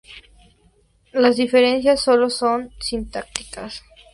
Las diferencias son sólo sintácticas.